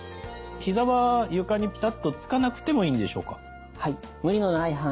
ひざは床にピタッとつかなくてもいいんでしょうか？